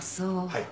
はい。